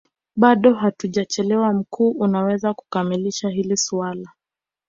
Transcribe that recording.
bado hatujachelewa mkuu unaweza kulimalizia hili suala